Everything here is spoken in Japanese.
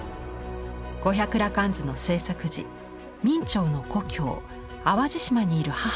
「五百羅漢図」の制作時明兆の故郷淡路島にいる母が病に倒れました。